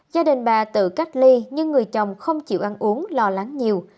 gia đình bà tự cách ly nhưng người chồng không chịu ăn uống lo lắng nhiều